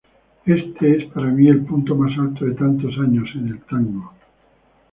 Este es para mí el punto más alto de tantos años en el tango.